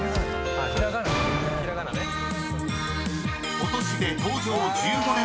［ことしで］